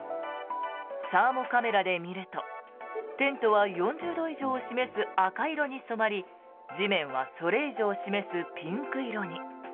サーモカメラで見るとテントは４０度以上を示す赤色に染まり、地面はそれ以上を示すピンク色に。